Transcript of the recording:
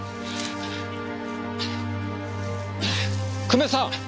久米さん！